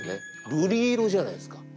瑠璃色じゃないですか。